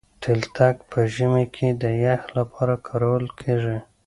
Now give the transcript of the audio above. تلتک په ژمي کي د يخ لپاره کارول کېږي.